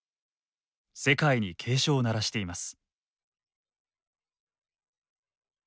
世界に警鐘を鳴らしています。